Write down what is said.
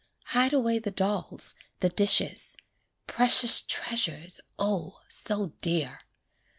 Hide away the dolls, the dishes Precious treasures! O! so dear!